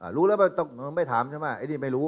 รู้แล้วว่าไม่ถามใช่ไหมไอ้นี่ไม่รู้